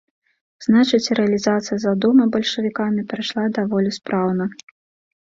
Значыць, рэалізацыя задумы бальшавікамі прайшла даволі спраўна.